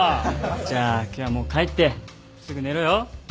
じゃあ今日はもう帰ってすぐ寝ろよ。